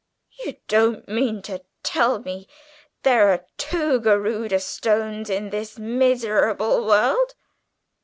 "You don't mean to tell me there are two Garudâ Stones in this miserable world!"